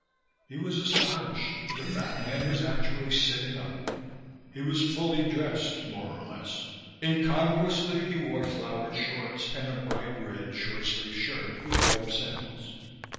He was astonished. The fat man was actually sitting up. He was fully dressed more or less; incongruously he wore flowered shorts and a bright red, short sleeve shirt, with rope sandals.